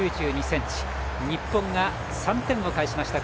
日本が３点を返しました。